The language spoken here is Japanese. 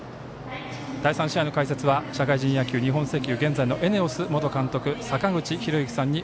第３試合解説は社会人野球、日本石油現在のＥＮＥＯＳ元監督坂口裕之さんに